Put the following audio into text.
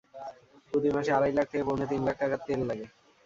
প্রতি মাসে আড়াই লাখ থেকে পৌনে তিন লাখ টাকার তেল লাগে।